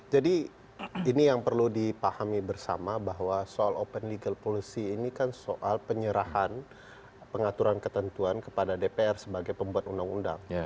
jadi ini yang perlu dipahami bersama bahwa soal open legal policy ini kan soal penyerahan pengaturan ketentuan kepada dpr sebagai pembuat undang undang